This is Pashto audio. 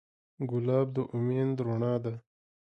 ګلاب د امید رڼا ده.